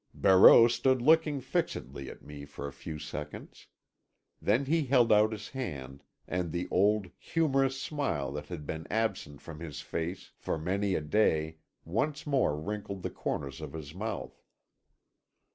Barreau stood looking fixedly at me for a few seconds. Then he held out his hand, and the old, humorous smile that had been absent from his face for many a day once more wrinkled the corners of his mouth.